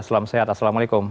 selam sehat assalamualaikum